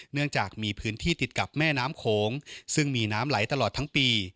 เนื่องจากมีพื้นที่ติดกับแม่น้ำโขงซึ่งมีน้ำไหลตลอดทั้งปี